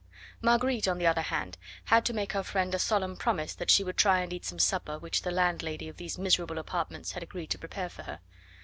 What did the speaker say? Marguerite, on the other hand, had to make her friend a solemn promise that she would try and eat some supper which the landlady of these miserable apartments had agreed to prepare for her.